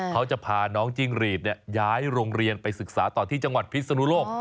เขาจะพาน้องจิ้งหรีดย้ายโรงเรียนไปศึกษาต่อที่จังหวัดพิศนุโลก